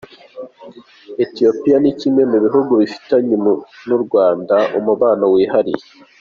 Ethiopia ni kimwe mu bihugu bifitanye n’u Rwanda umubano wihariye.